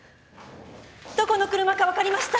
どこの車か分かりました。